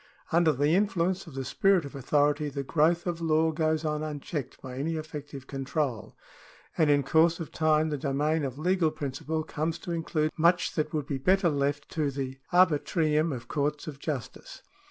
Under the influence of the spirit of authority the growth of law goes on unchecked by any effective control, and in course of time the domain of legal principle comes to include much that would be better left to the arbitrium of courts of justice.